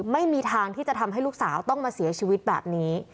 ไม่มีทางที่จะทำให้ลูกสาวต้องมาเสียชีวิตแบบนี้